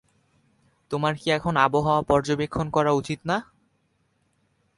তোমার কি এখন আবহাওয়া পর্যবেক্ষণ করা উচিৎ না?